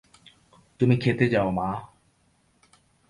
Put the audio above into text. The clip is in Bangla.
তুমি খেতে যাও মা!